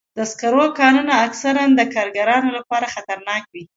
د سکرو کانونه اکثراً د کارګرانو لپاره خطرناک وي.